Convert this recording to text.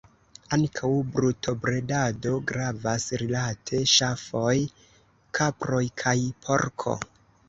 Ankaŭ brutobredado gravas rilate ŝafoj, kaproj kaj porko.